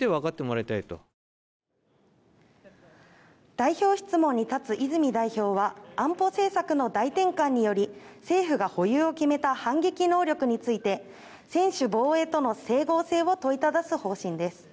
代表質問に立つ泉代表は安保政策の大転換により政府が保有を決めた反撃能力について専守防衛との整合性を問いただす方針です。